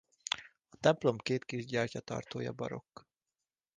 A templom két kis gyertyatartója barokk.